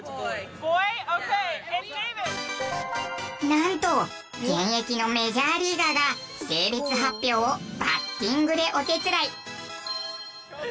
なんと現役のメジャーリーガーが性別発表をバッティングでお手伝い。